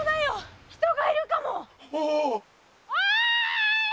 おい！